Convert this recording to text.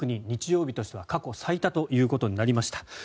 日曜日としては過去最多ということになりました。